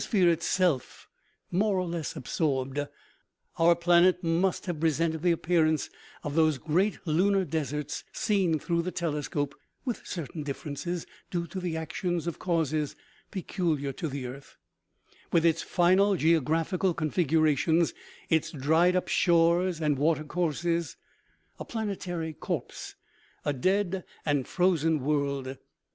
phere itself more or less absorbed, our planet must have presented the appearance of those great lunar deserts seen through the telescope (with certain differences due to the action of causes peculiar to the earth), with its final geographical configurations, its dried up shores and water courses, a planetary corpse, a dead and frozen world.